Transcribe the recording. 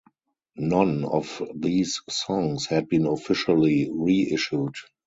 None of these songs had been officially re-issued.